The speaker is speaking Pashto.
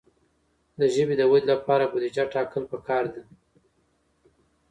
د ژبې د ودې لپاره بودیجه ټاکل پکار ده.